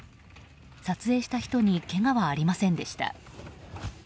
撮影した人にけがはありませんでした。